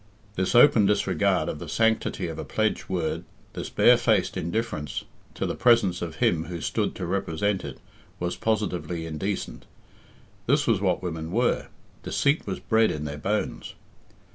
This open disregard of the sanctity of a pledged word, this barefaced indifference to the presence of him who stood to represent it, was positively indecent. This was what women were! Deceit was bred in their bones.